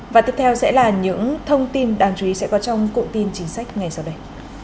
và tiếp theo sẽ là những thông tin đáng chú ý sẽ có trong cụm tin chính sách ngay sau đây